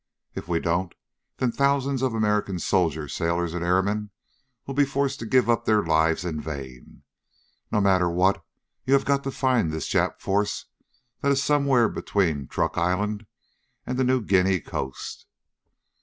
If we don't then thousands of American soldiers, sailors, and airmen will be forced to give up their lives in vain. No matter what, you have got to find this Jap force that is somewhere between Truk Island and the New Guinea coast!"